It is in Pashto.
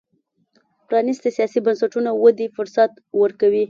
پرانیستي سیاسي بنسټونه ودې فرصت ورکوي.